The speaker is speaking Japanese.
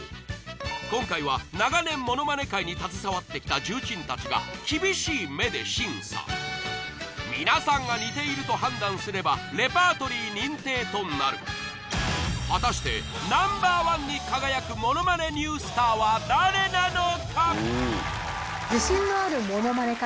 今回は長年ものまね界に携わってきた重鎮たちが厳しい目で審査皆さんが似ていると判断すればレパートリー認定となる果たしてＮｏ．１に輝くものまねニュースターは誰なのか？